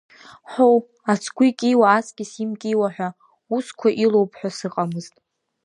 Ҳоу, ацгәы икьиуа аҵкьыс имкьиуа ҳәа, усқәа илоуп ҳәа сыҟамызт.